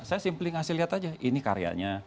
saya simply ngasih lihat aja ini karyanya